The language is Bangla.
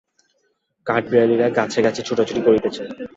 কাঠবিড়ালিরা গাছে গাছে ছুটাছুটি করিতেছে।